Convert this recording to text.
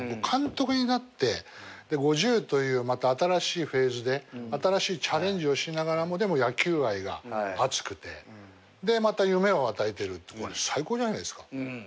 監督になって５０というまた新しいフェーズで新しいチャレンジをしながらも野球愛が熱くてでまた夢を与えてるってこれ最高じゃないですか。